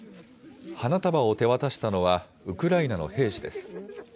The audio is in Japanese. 花束を手渡したのは、ウクライナの兵士です。